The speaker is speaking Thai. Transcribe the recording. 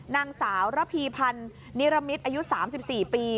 นางสาวระพีพันธ์นิรมิตอายุ๓๔ปี